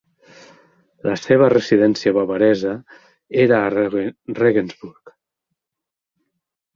La seva residència bavaresa era a Regensburg.